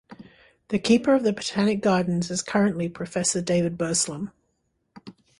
The Keeper of the Botanic Gardens is currently Professor David Burslem.